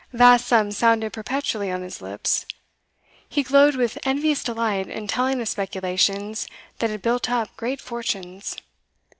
Vast sums sounded perpetually on his lips; he glowed with envious delight in telling of speculations that had built up great fortunes.